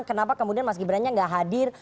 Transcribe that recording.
kenapa kemudian mas gibran nya gak hadir